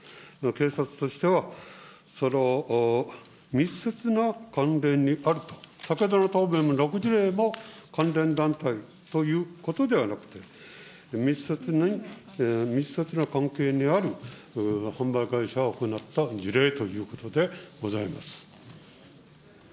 警察としては、密接な関係にあると、先ほどの答弁も、６事例も、関連団体ということではなくて、密接な関係にある販売会社が行った事例ということでございます。